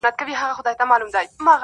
ستا د خالپوڅو د شوخیو وطن-